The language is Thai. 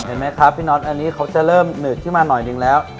เห็นไหมครับพี่น็อตอันนี้เขาจะเริ่มหืดขึ้นมาหน่อยหนึ่งแล้ว